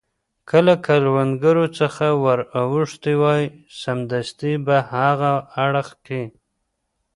که له کروندو څخه ور اوښتي وای، سمدستي په هاغه اړخ کې.